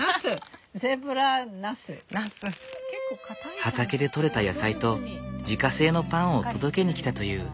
畑で取れた野菜と自家製のパンを届けに来たという。